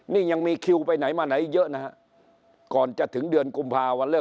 นี่ยังมีคิวไปไหนมาไหนเยอะนะครับ